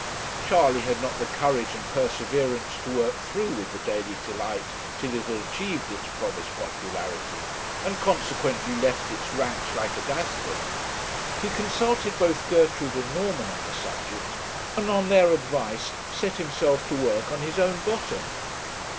Charley had not the courage and perseverance to work through with the Daily Delight till it had achieved its promised popularity, and consequently left its ranks like a dastard. He consulted both Gertrude and Norman on the subject, and on their advice set himself to work on his own bottom.